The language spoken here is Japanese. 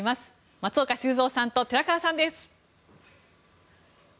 松岡修造さんと寺川さんです。